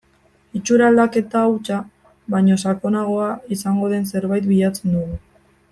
Itxura aldaketa hutsa baino sakonagoa izango den zerbait bilatzen dugu.